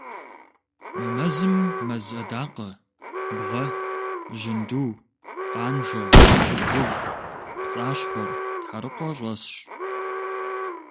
Мы мэзым мэз адакъэ, бгъэ, жьынду, къанжэ, кӀыгуугу, пцӀащхъуэр, тхьэрыкъуэ щӀэсщ.